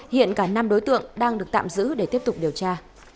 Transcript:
hiện cả năm đối tượng đang được tạm giữ để tiếp tục điều tra